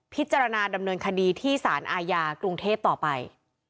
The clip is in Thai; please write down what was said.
พิจารณาดำเนินคดีที่สารอาญากรุงเทพต่อไป